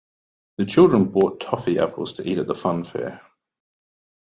The children bought toffee apples to eat at the funfair